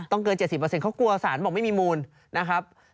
เกิน๗๐เขากลัวสารบอกไม่มีมูลนะครับ